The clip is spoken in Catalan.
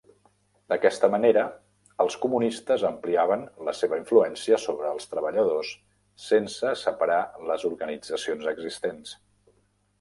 D'aquesta manera, els comunistes ampliaven la seva influència sobre els treballadors sense separar les organitzacions existents.